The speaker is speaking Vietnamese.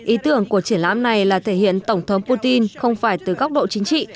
ý tưởng của triển lãm này là thể hiện tổng thống putin không phải từ góc độ chính trị